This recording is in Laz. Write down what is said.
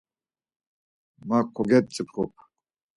Ma kogep̌tzipxup.